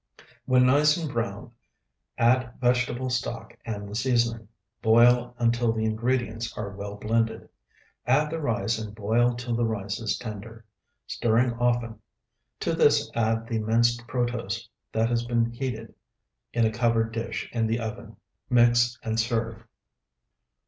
When nice and brown, add vegetable stock and the seasoning; boil until the ingredients are well blended; add the rice and boil till the rice is tender, stirring often. To this add the minced protose that has been heated in a covered dish in the oven. Mix and serve.